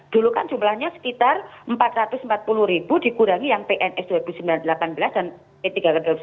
dulu kan jumlahnya sekitar rp empat ratus empat puluh dikurangi yang pns dua ribu sembilan belas dan p tiga g dua ribu sembilan belas